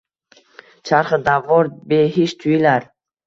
Charxi davvor behisht tuyilar